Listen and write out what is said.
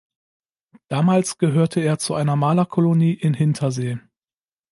Damals gehörte er zu einer Malerkolonie in Hintersee.